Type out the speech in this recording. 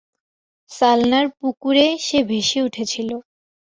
সালনার পুকুরে সে ভেসে উঠেছিল।